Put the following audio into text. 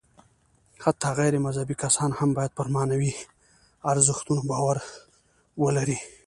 حتی غیر مذهبي کسان هم باید پر معنوي ارزښتونو باور ولري.